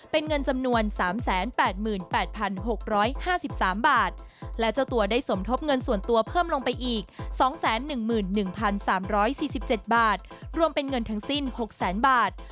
เป็นเงินจำนวน๓๘๘๖๕๓บาทและเจ้าตัวได้สมทบเงินส่วนตัวเพิ่มลงไปอีก๒๑๑๓๔๗บาทรวมเป็นเงินทั้งสิ้น๖แสนบาท